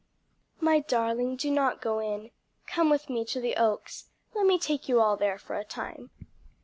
"My darling, do not go in. Come with me to the Oaks; let me take you all there for a time."